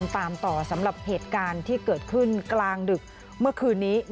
ตามต่อสำหรับเหตุการณ์ที่เกิดขึ้นกลางดึกเมื่อคืนนี้